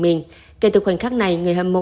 mình kể từ khoảnh khắc này người hâm mộ